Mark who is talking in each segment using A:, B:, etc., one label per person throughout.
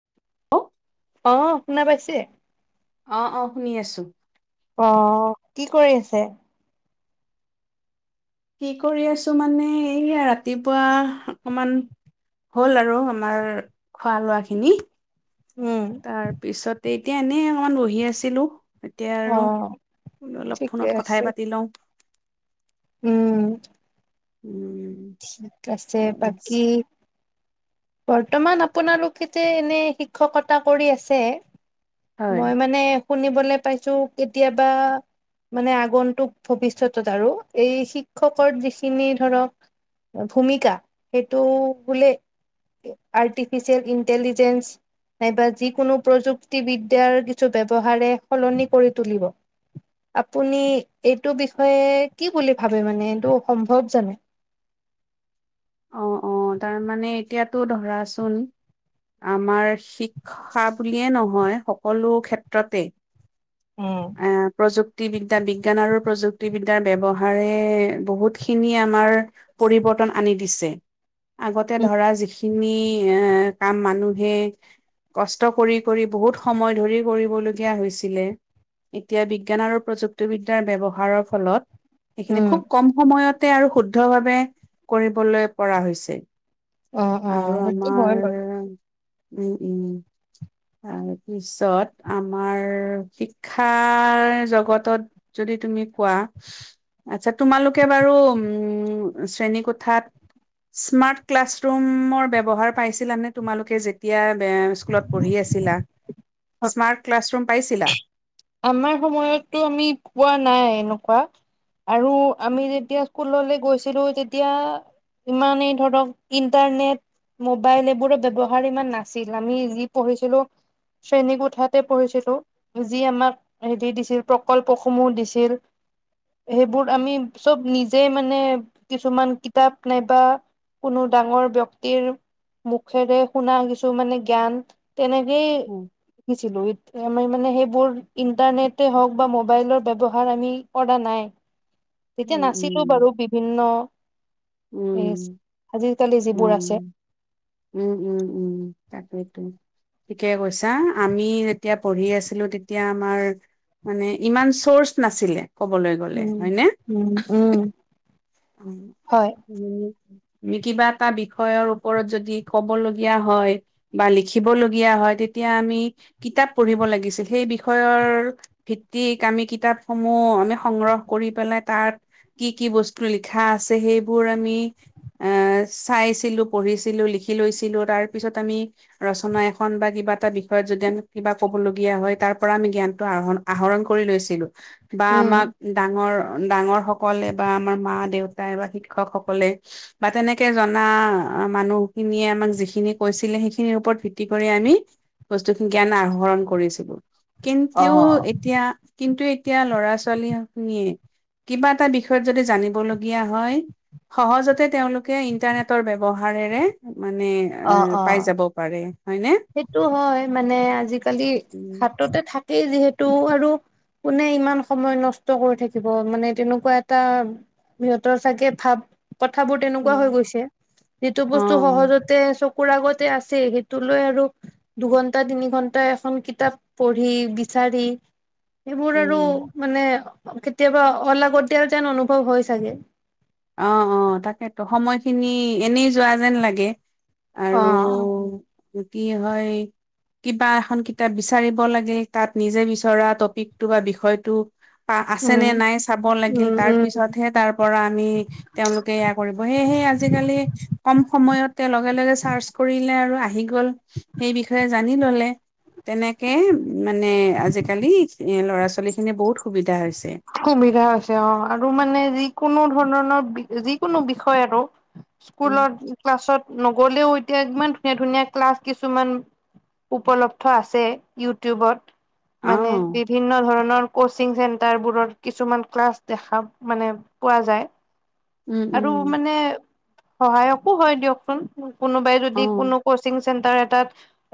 A: [unintelligible]
B: অ' শুনা পাইছে?
A: অ', অ' শুনি আছোঁ।
B: অ' কি কৰি আছে?
A: কি কৰি আছোঁ মানে এইয়া ৰাতিপুৱা অকমান হ'ল আৰু আমাৰ খোৱা লোৱাখিনি।
B: উম
A: তাৰ পিছতে এতিয়া এনেই অকমান বহি আছিলোঁ। এতিয়া
B: অ
A: আৰু অলপ
B: ঠিকে
A: ফোনত
B: আছে।
A: কথাই পাতি লওঁ।
B: উম।
A: উম।
B: ঠিক আছে। বাকি বৰ্তমান আপোনালোকেতে এনে শিক্ষকতা কৰি আছে।
A: হয়
B: মই মানে শুনিবলৈ পাইছোঁ কেতিয়াবা মানে আগন্তুক ভৱিষ্যতত আৰু এই শিক্ষকৰ যিখিনি ধৰক ভূমিকা সেইটো বোলে আৰ্টিফিচিয়েল ইণ্টেলিজেঞ্চ নাইবা যিকোনো প্ৰযুক্তিবিদ্যাৰ কিছু ব্যৱহাৰে সলনি কৰি তুলিব। আপুনি এইটো বিষয়ে কি বুলি ভাবে মানে এইটো সম্ভৱ জানো?
A: অ', অ' তাৰমানে এতিয়াতো ধৰাচোন আমাৰ শিক খা বুলিয়ে নহয় সকলো ক্ষেত্ৰতেই
B: উম।
A: এ, প্ৰযুক্তিবিদ্যা বিজ্ঞান আৰু প্ৰযুক্তিবিদ্যাৰ ব্যৱহাৰে বহুতখিনি আমাৰ পৰিৱৰ্তন আনি দিছ ছে। আগতে
B: উম,
A: ধৰা যিখিনি এ, কাম মানুহে কষ্ট কৰি কৰি বহুত সময় ধৰি কৰিবলগীয়া হৈছিলে এতিয়া বিজ্ঞান আৰু প্ৰযুক্তিবিদ্যাৰ ব্যৱহাৰৰ ফলত সেইখিনি
B: উম,
A: খুব কম সময়তে আৰু শুদ্ধভাৱে কৰিবলৈ পৰা হৈছে।
B: অ',
A: আৰু
B: অ', সেইটো হয়
A: আমাৰ
B: বাৰু।
A: উম, উম। তাৰপিছত আমাৰ শিক্ষাৰ জগতত যদি তুমি কোৱা, আচ্ছা তোমালোকে বাৰু উম, শ্ৰেণী কোঠাত স্মাৰ্ট ক্লাছ ৰুমৰ ব্যৱহাৰ পাইছিলা নে তোমালোকে যেত এতিয়া বেৰ স্কুলত পঢ়ি আছিলা, স্মাৰ্ট ক্লাছৰুম পাইছিলা?
B: আমাৰ সময়ততো আমি পোৱা নাই এনেকুৱা। আৰু আমি যেতিয়া স্কুললে গৈছিলোঁ তেতিয়া ইমানেই ধৰক ইণ্টাৰনেট মোবাইল এইবোৰৰ ব্যৱহাৰ ইমান নাছিল। আমি যি পঢ়িছিলোঁ শ্ৰেণীকোঠাতে পঢ়িছিলো। যি আমা এ, দি দিছিল প্ৰকল্পসমূহ দিছিল। সেইবোৰ আমি চব নিজে মানে কিছুমান কিতাপ নাইবা কোনো ডাঙৰ ব্যক্তিৰ মুখেৰে শুনা কিছুমানে জ্ঞান তেনেকেই
A: উম,
B: শিকিছিলোঁ ইত, আমাই মানে সেইবোৰ ইন্টাৰনেটে হওক বা মোবাইলৰ ব্যৱহাৰ আমি কৰা নাই। তেতিয়া
A: উম,
B: নাছিলো
A: উম,
B: বাৰু বিভিন্ন এছ,
A: উম,
B: আজিকালি যিবোৰ আছে।
A: উম, উম, উম, উম, তাকেটো। ঠিকে কৈছা। আমি যেতিয়া পঢ়ি আছিলো তেতিয়া আমাৰ মানে ইমান চৰ্চ নাছিলে ক'বলৈ গ'লে
B: উম
A: হয়নে?
B: উম, উম।
A: অ,
B: হয়
A: উম। মি, কিবা এটা বিষয়ৰ ওপৰত যদি ক'ব লগীয়া হয়। বা লিখিবলগীয়া হয় তেতিয়া আমি কিতাপ পঢ়িব লাগিছিল। সেই বিষয়ৰ ভিত্তিক আমি কিতাপ সমূহ আমি সংগ্ৰহ কৰি পেলাই তাত কি কি বছ লিখা আছে সেইবোৰ আমি এ, চাইছিলো, পঢ়িছিলো, লিখি লৈছিলো। তাৰ পিছত আমি ৰচনা এখন বা কিবা এটা বিষয়ত যদি আমি কিবা ক'ব লগীয়া হয়, তাৰ পৰা আমি জ্ঞানটো আৰ্হন আহৰণ কৰি লৈছিলো। বা
B: উম
A: আমাক ডাঙৰ ডাঙৰ সকলে বা আমাৰ মা দেউতাই বা শিক্ষকসকলে। বা তেনেকে জনা আ, মানুহখিনিয়ে আমাক যিখিনি কৈছিলে সেইখিনিৰ ওপৰত ভিত্তি কৰি আমি বস্তুখিন জ্ঞান আহৰণ কৰিছিলো। কিন্তু
B: অ
A: এতিয়া কিন্তু এতিয়া ল'ৰা ছোৱালী হক নিয়ে কিবা এটা বিষয়ত যদি জানি ব লগীয়া হয়। সহজতে তেওঁলোকে ইণ্টাৰনেটৰ ব্যৱহাৰেৰে মানে এ,
B: অ অ
A: পাই যাব পাৰে। হয়নে?
B: সেইটো হয় মানে আজিকালি
A: উম
B: হাততে থাকেই যিহেতু আৰু কোনে ইমান সময় নষ্ট কৰি থাকিব মানে তেনেকুৱা এটা সিহঁতৰ চাগে ভাব কথাবোৰ তেনেকুৱা হৈ
A: উম
B: গৈছে। যিটো
A: অ
B: বস্তু সহজতে চকুৰ আগতে আছে সেইটো লৈ আৰু দুঘন্টা তিনি ঘন্টা এখন কিতাপ পঢ়ি বিচাৰি সেইবোৰ আৰু
A: উম
B: মানে কেতিয়াবা অলাগতিয়াল যেন অনুভৱ হয় চাগে।
A: অ', অ', তাকেত' সময়খিনি এনেই যোৱা যেন লাগে।
B: অ
A: আৰু কি হয়? কিবা এখন কিতাপ বিচাৰিব লাগে তাত নিজে বিচৰা টপিকটো বা বিষয়টো পা, আছে
B: উম
A: নে নাই চাব লাগিল।
B: উম
A: তাৰ
B: উম
A: পিছতহে তাৰ পৰা আমি তেওঁলোকে এয়া কৰিব সেয়েহে আজিকালি কম সময়তে লগে লগে চাৰ্চ কৰিলে আৰু আহি গল সেই বিষয়ে জানি ললে। তেনেকে মানে আজিকালি ল'ৰা ছোৱালী খিনি বহুত সুবিধা হৈছে।
B: সুবিধা হৈছে অ', আৰু মানে যিকোনো ধ, ন, ন, বি যিকোনো বিষয় আৰু
A: উম।
B: স্কুলত ক্লাছত নগলেও এতিয়া ইমান ধুনীয়া ধুনীয়া ক্লাছ কিছুমান উপলব্ধ আছে ইউটিউবত। মানে
A: অ',
B: বিভিন্ন ধৰণৰ কচিং চেন্টাৰবোৰৰ কিছুমান ক্লাছ দেখা মানে পোৱা যায়।
A: উম,
B: আৰু
A: উম,
B: মানে সহায়কো হয় দিয়কচোন। কোনোবাই যদি
A: অ'।
B: কোনো কচিংছ চেণ্টাৰ এটাত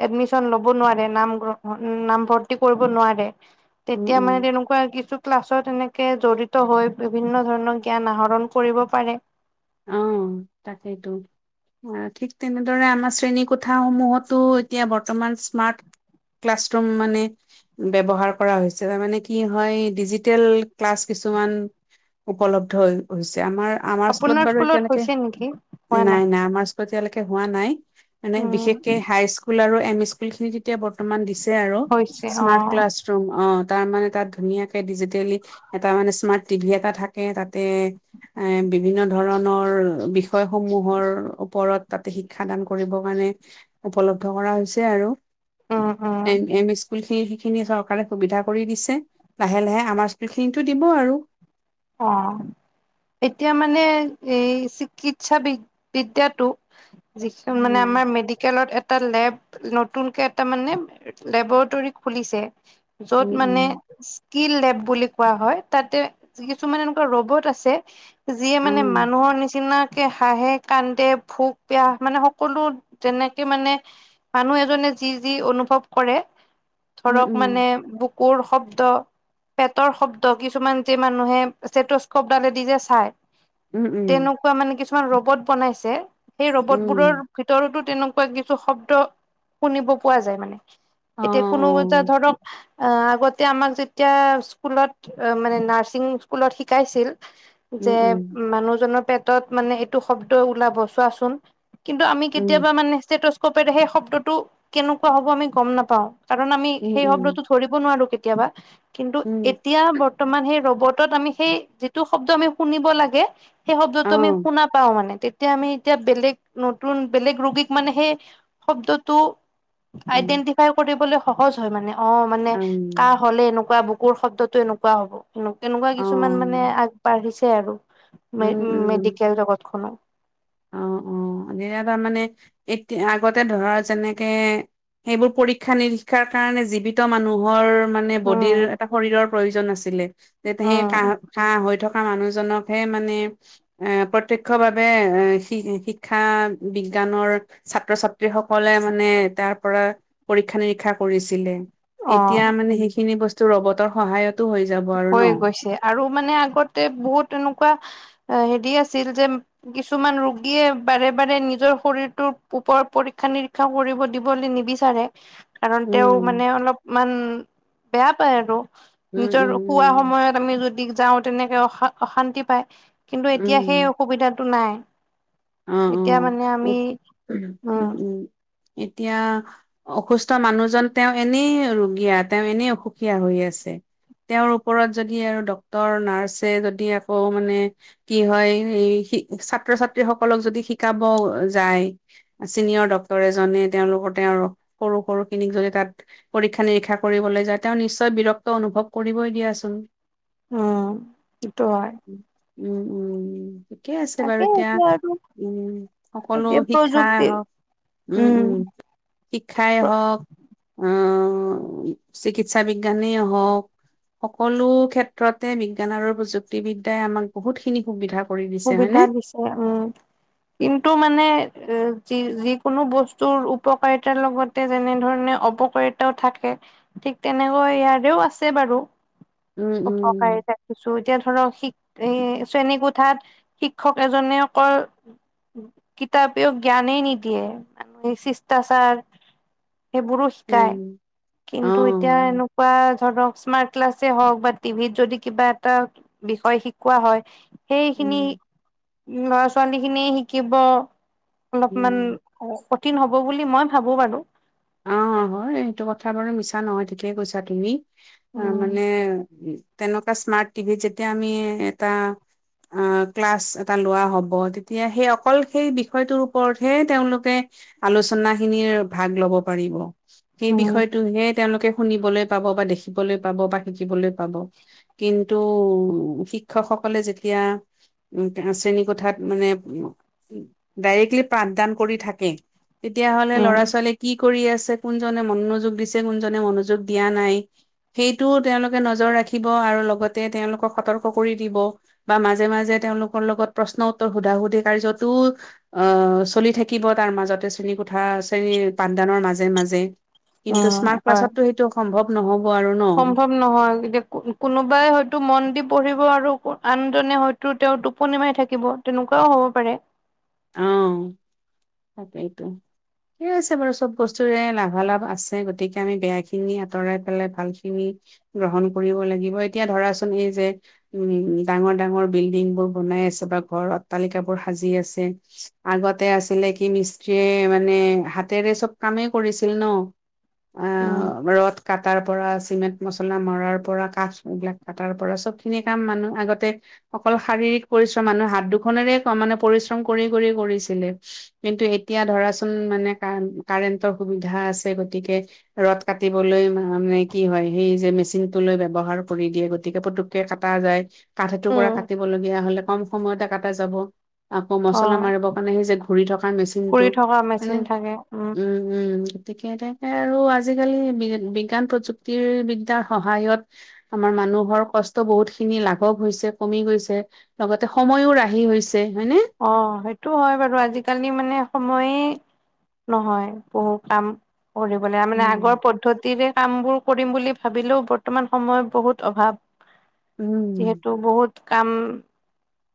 B: এডমিছন লব নোৱাৰে। নাম গ্ৰহণ উম, নাম ভৰ্তি কৰিব নোৱাৰে।
A: উম,
B: তেতিয়া
A: উম,
B: মানে তেনুক বা কিছু ক্লাছত এনেকে জড়িত হৈ বিভিন্ন ধৰণৰ জ্ঞান আহৰণ কৰিব পাৰে।
A: অ', তাকেইতো। ঠিক তেনেদৰে আমাৰ শ্ৰেণী কোঠা সমূহতো এতিয়া বৰ্তমান স্মাৰ্ট ক্লাছৰুম মানে ব্যৱহাৰ কৰা হৈছে। তাৰ মানে, কি হয়, ডিজিটেল ক্লাছ কিছুমান উপলব্ধ হৈছে, আমাৰ, আমাৰ
B: আপোনাৰ
A: স্কুলত বাৰু এতিয়ালৈকে,
B: হৈছে নেকি হোৱা
A: নাই, নাই আমাৰ [unintelligible] ত', এতিয়ালৈকে হোৱা নাই। মানে,
B: উম
A: বিশেষকে হাইস্কুল আৰু এম ই স্কুল খিনি এতিয়া বৰ্তমান দিছে আৰু,
B: হৈছে অ
A: স্মাৰ্ট ক্লাছৰুম, অ', তাৰ মানে তাত ধুনীয়াকে ডিজিটেলি এটা মানে, স্মাৰ্ট টিভি এটা থাকে, তাতেই এ বিভিন্ন ধৰণৰ বিষয়সমূহৰ ওপৰত তাতে শিক্ষা দান কৰিব কাৰণে উপলব্ধ কৰা হৈছে আৰু।
B: উম উম
A: এম এম ই স্কুল খিনি সেইখিনি চৰকাৰে সুবিধা কৰি দিছে, লাহে লাহে আমাৰ স্কুল খিনিটো দিব আৰু।
B: অ'। এতিয়া মানে, এই চিকিৎসা বি বিদ্যাটো যিখন মানে,
A: উম
B: আমাৰ মেডিকেলত এটা লেব, নতুনকে এটা মানে, লেবৰেটৰি খুলিছে। য'ত,
A: উম
B: মানে,
A: উম
B: স্কিল লেব বুলি কোৱা হয়, তাতে কিছুমান এনেকুৱা ৰ'ব'ট আছে। যিয়ে
A: অ
B: মানে মানুহৰ নিচিনাকে হাঁহে, কান্দে, ভোক পিয়াহ মানে, সকলো যেনেকে মানে, মানুহ এজনে যি যি অনুভৱ কৰে।
A: উম
B: ধৰক
A: উম
B: মানে, বুকুৰ শব্দ, পেটৰ শব্দ কিছুমান যে মানুহে স্তেটোষ্ক'প দালেদি যে চায়,
A: উম
B: তেন
A: উম
B: কুৱা মানে, কিছুমান ৰ'বত বনাইছে। সেই ৰ'ব'ট
A: উম
B: বোৰৰ ভিতৰতো তেনেকুৱা কুৱা কিছু শব্দ শুনিব পোৱা যায় মানে,
A: অ অ
B: এতিয়া কোনো এটা ধৰক অ', আগতে আমাক যেতিয়া স্কুলত, মানে, নাৰছিং স্কুলত শিকাইছিল। যে,
A: উম উম
B: মানুহজনৰ পেটত মানে, এইটো শব্দ ওলাব চোৱাচোন। কিন্তু, আমি
A: উম
B: কেতিয়াবা মানে, স্তেটোষ্ক'পেৰে সেই শব্দটো কেনেকুৱা হ'ব আমি গম নাপাওঁ। কাৰণ, আমি
A: উম
B: সেই
A: উম
B: শব্দটো ধৰিব নোৱাৰো কেতিয়াবা, কিন্তু
A: উম
B: এতিয়া বৰ্তমান সেই ৰ'ব' বতত আমি সেই যিটো শব্দ আমি শুনিব লাগে, সেই
A: অ
B: শব্দটো আমি শুনা পাওঁ মানে। এতিয়া আমি এতিয়া বেলেগ নতুন বেলেগ ৰোগীক মানে সেই শব্দটো
A: উম
B: আইদেন্টিফাই কৰিবলৈ সহজ হয় মানে, অ', মানে, কাঁহ
A: উম
B: হ'লে এনেকুৱা, বুকুৰ শব্দটো এনেকুৱা ৱা হ'ব। তেনেকুৱা
A: অ
B: কিছুমান মানে, আগবাঢ়িছে আৰু। মে
A: উম উম
B: মেডিকেল জগতখনত।
A: অ', অ', এতিয়া তাৰমানে, এতিয়া আগতে ধৰা যেনেকে সেইবোৰ পৰীক্ষা নিৰীক্ষাৰ কাৰণে জীৱিত মানুহৰ মানে, ব'ডিৰ
B: উম
A: এটা শৰীৰৰ প্ৰয়োজন আছিলে। যে সেই কাঁহ
B: উম
A: কাঁহ হৈ থকা মানুহজনকহে মানে, এ প্ৰত্যক্ষ ভাৱে এ শি শিক্ষা বিজ্ঞানৰ ছাত্ৰ-ছাত্ৰী সকলে মানে তাৰ পৰা পৰীক্ষা-নিৰীক্ষা কৰিছিলে,
B: অ
A: এতিয়া মানে, সেইখিনি বস্তু ৰ'ব'ট'ৰ সহায়তো হৈ যাব আৰু ন?
B: হৈ গৈছে আৰু মানে, আগতে বহুত এনেকুৱা হেৰি আছিল যে কিছুমান ৰোগীয়ে বাৰে বাৰে নিজৰ শৰীৰটোৰ ওপৰত পৰীক্ষা-নিৰীক্ষা কৰিব দিবলৈ নিবিচ চাৰে কাৰণ, তেওঁ মানে,
A: উম।
B: অলপমান বেয়া পায় আৰু,
A: উম,
B: নিজৰ
A: উম,
B: ৰো
A: উম,
B: সময়ত আমি যদি যাওঁ, তেনেকে অশা অশান্তি পায়। কিন্তু এতিয়া
A: উম।
B: সেই সুবিধাটো নাই।
A: অ',
B: এতিয়া মানে
A: অ', উ,
B: আমি
A: উম, উম, এতিয়া অসুস্থ মানুহজন তেওঁ এনেই ৰোগীয়া, তেওঁ এনেই অসুখীয়া হৈ আছে। তেওঁৰ ওপৰত যদি আৰু ডক্তৰ নাৰ্ছে যদি আকৌ মানে কি হয়, ছাত্ৰ-ছাত্ৰী সকলক যদি শিকাব যায়। ছিনিয়ৰ ডক্তৰ এজনে তেওঁলোকৰ তেওঁৰ সৰু সৰু খিনিক যদি তাত পৰীক্ষা নিৰীক্ষা কৰিবলৈ যায়, তেওঁ নিশ্চয় বিৰক্ত অনুভৱ কৰিবই দিয়াচোন।
B: উম, সেইটো হয়।
A: উম, উম, ঠিকেই আছে বাৰু
B: তাকে
A: এতিয়া
B: আৰু
A: উম, সকলো
B: এতিয়া
A: শিক্ষাই
B: প্ৰযুক্তি
A: হওক, উম, উম, শিক্ষাই হওঁক অহ, চিকিৎসা বিজ্ঞানেই হওঁক সকলো ক্ষেত্ৰতে বিজ্ঞান আৰু প্ৰযুক্তিবিদ্যাই আমাক বহুতখিনি সুবিধা কৰি দিছে হয়নে?
B: সুবিধা দিছে উম। কিন্তু মানে এ, যি যিকোনো বস্তুৰ উপকাৰিতাৰ লগত তে যেনেধৰণে অপকাৰিতাও থাকে ঠিক তেনেকৈ ইয়াৰেও আছে বাৰু।
A: উম,
B: উপকাৰী
A: উম,
B: ৰাখিছোঁ, এতিয়া ধৰক শিক এ, শ্ৰেণী কোঠাত শিক্ষক এজনে অকল কিতাপেও জ্ঞানেই নিদিয়ে, মানে শিষ্টাচাৰ সেইবোৰো শিকাই,
A: উম, অ',
B: কিন্তু এতিয়া এনেকা বা ধৰক স্মাৰ্ট ক্লাছে হওক বা টিভিত যদি কিবা এটা বিষয় শিকোৱা হয় সেই খিনি
A: উম,
B: ল'ৰা ছোৱালীখিনি শিকিব। অলপমান
A: উম।
B: অ' কঠিন হ'ব বুলি মই ভাবোঁ বাৰু।
A: অ' হয় সেইটো কথা বাৰু মিছা নহয় ঠিকেইে কৈছা তুমি।
B: উম
A: তাৰমানে তেনেকুৱা স্মাৰ্ট টিভি যেতিয়া আমি এটা আ, ক্লাছ এটা লোৱা হ'ব তেতিয়া সেই অকল সেই বিষয়টোৰ ওপৰতহে তেওঁলোকে আলোচনাখিনিৰ ভাগ ল'ব পাৰিব। সেই
B: উম
A: বিষয়টোহে তেওঁলোকে শুনিবলৈ পাব বা দেখিবলৈ পাব বা শিকিবলৈ পাব। কিন্তু শিক্ষকসকলে যেতিয়া উ, শ্ৰেণীকোঠাত মানে উ, ডাইৰেক্টলি পাঠদান কৰি থাকে। তেতিয়াহ'লে
B: উম
A: ল'ৰা ছোৱালীয়ে কি কৰি আছে, কোনজনে মনোযোগ দিছে কোনজনে মনোযোগ দিয়া নাই সেইটোও তেওঁলোকে নজৰ ৰাখিব আৰু লগতে তেওঁলোকক সতৰ্ক কৰি দিব। বা মাজে মাজে তেওঁলোকৰ লগত প্ৰশ্ন উত্তৰ সোধা সুধি কাৰ্যতো অ' চলি থাকিব তাৰ মাজতে শ্ৰেণীকোঠা, শ্ৰেণী পাঠদানৰ মাজে মাজে কিন্তু
B: উম
A: স্মাৰ্ট
B: হয়
A: ক্লাছতো সেইটো সম্ভৱ নহ'ব আৰু ন'।
B: সম্ভৱ নহয় গতিয়া কোনোবাই হয়তো মন দি পঢ়িব আৰু আনজনে হয়তো তো তেওঁ টোপনি মাৰি থাকিব তেনেকুৱাও হ'ব পাৰে।
A: অ' তাকেইতো। ঠিকে আছে বাৰু চব বস্তুৰে লাভালাভ আছে গতিকে আমি বেয়াখিনি আঁতৰাই পেলাই ভালখিনি গ্ৰহণ কৰিব লাগিব। এতিয়া ধৰাচোন এই যে উম, ডাঙৰ ডাঙৰ বিল্ডিংবোৰ বনাই আছে বা ঘৰ অট্টালিকাবোৰ সাজি আছে। আগতে আছিলে কি মিস্ত্ৰীয়ে মানে হাতেৰে চব কামেই কৰিছিল ন'। আ,
B: উম
A: ৰ'দ কাটাৰপৰা, চিমেণ্ট মছলা মৰাৰ পৰা, কাঠ এইবিলাক কাটাৰপৰা চবখিনি কাম মানুহ আগতে অকল শাৰীৰিক পৰিশ্ৰম মানুহ হাত দুখনেৰে মানে পৰিশ্ৰম কৰি কৰি কৰিছিলে। কিন্তু এতিয়া ধৰাচোন মানে কা-কাৰেণ্টৰ সুবিধা আছে গতিকে ৰড কাটিবলৈ মানে কি হয় সেই যে মেচিনটো লৈ ব্যৱহাৰ কৰি দিয়ে গতিকে কাটা যায়। কাঠ
B: উম
A: এটোকোৰা কাটিবলগীয়া হ'লে কম সময়তে কাটা যাব।
B: অ
A: মচলা মাৰিব কাৰণে সেই যে ঘূৰি থকাৰ
B: কৰি
A: মেচিনটো
B: থকা
A: হয়নে
B: মেচিন থাকে
A: উম। উম, গতিকে তেনেকে আৰু আজিকালি বি-বিজ্ঞান প্ৰযুক্তি বিদ্যয়াৰ সহায়ত আমাৰ মানুহৰ কষ্ট বহুতখিনি লাঘৱ হৈছে, কমি গৈছে। লগতে সময়ো ৰাহি হৈছে হয়নে?
B: অ' সেইটোও হয় বাৰু। আজিকালি মানে সময়ে নহয় বহু কাম কৰিবলে মানে আগৰ
A: উম,
B: পদ্ধতিৰে কামবোৰ কৰিম বুলি ভাবিলেও বৰ্তমান সময়ত বহুত অভাৱ
A: উম,
B: যিহেতু বহুত কাম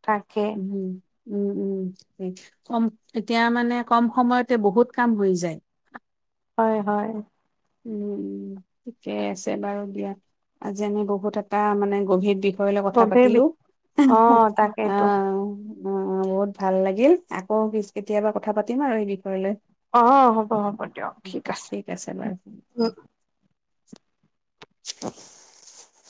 B: থাকে।
A: উম, উম, উম, কম এতিয়া মানে কম সময়তে বহুত কাম হৈ যায়।
B: হয় হয়।
A: উম, উম, ঠিকে আছে বাৰু দিয়া। আজি আমি বহুত এটা মানে গভীৰ দিশ ৰলৈ কথা
B: গভীৰ বিষ
A: পাতিলোঁ।
B: অ
A: আ
B: তাকেইতো
A: অ' বহুত ভাল লাগিল। আকৌ পিছ কেতিয়াবা কথা পাতিম আৰু এই বিষয়লৈ।
B: অ' হ'ব হ'ব দিয়ক ঠিক আছে।
A: অ [unintelligible]